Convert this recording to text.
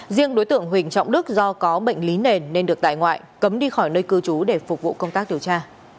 riêng đối tượng huỳnh trọng đức do có bệnh lý nền nên được tại ngoại cấm đi khỏi nơi cư trú để phục vụ công tác điều tra